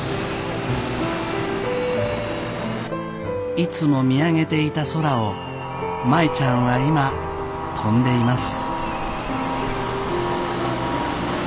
いつも見上げていた空を舞ちゃんは今飛んでいます。